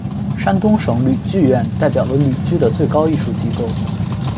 山东省吕剧院代表了吕剧的最高艺术机构。